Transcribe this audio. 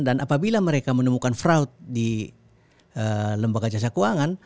dan apabila mereka menemukan fraud di lembaga jasa keuangan